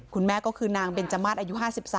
คุณแม่ก็คือนางเบนจมาสอายุ๕๓